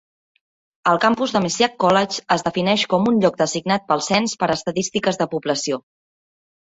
El campus del Messiah College es defineix com un lloc designat pel cens per a estadístiques de població.